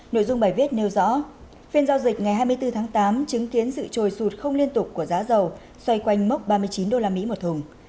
nội dung bài viết nêu rõ phiên giao dịch ngày hai mươi bốn tháng tám chứng kiến sự trồi sụt không liên tục của giá dầu xoay quanh mốc ba mươi chín usd một thùng